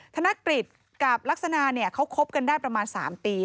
ธนกฤษกับลักษณะเขาคบกันได้ประมาณ๓ปี